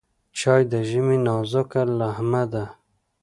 چای د ژمي نازکه لمحه ده.